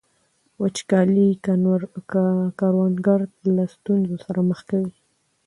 وچکالي کروندګر له ستونزو سره مخ کوي.